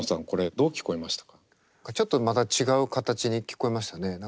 これちょっとまた違う形に聞こえましたね。